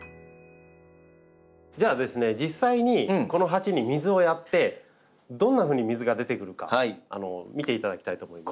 じゃあ実際にこの鉢に水をやってどんなふうに水が出てくるか見ていただきたいと思います。